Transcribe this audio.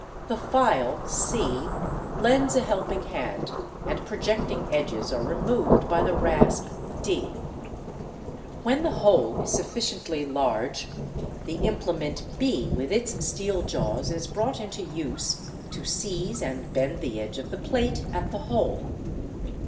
The file ¢ lends a helping hand and projecting edges are removed by the rasp d. When" the hole is sufficiently large, the implement b with its steel jaws is brought — into use to seize and bend the edge of the plate at the hole.